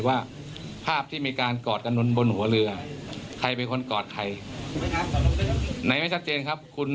คุณพี่บอกว่าเดี๋ยวจะมีอีกปุ่นชีวิตแล้ว